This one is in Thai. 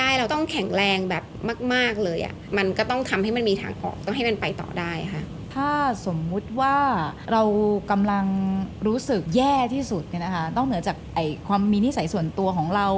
แย่ที่สุดนี่นะคะต้องเหนือจากความมีนิสัยส่วนตัวของเรา